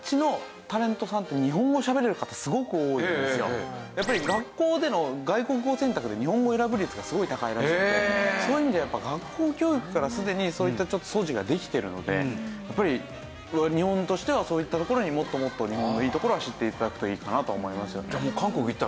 やっぱりやっぱり学校での外国語選択で日本語を選ぶ率がすごい高いらしくてそういう意味では学校教育からすでにそういった素地ができてるのでやっぱり日本としてはそういったところにもっともっと日本のいいところは知って頂くといいかなと思いますよね。